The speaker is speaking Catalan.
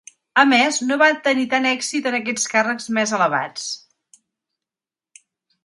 Ames no va tenir tant èxit en aquests càrrecs més elevats.